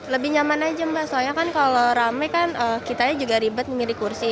lebih nyaman aja mbak soalnya kan kalau rame kan kita juga ribet memilih kursi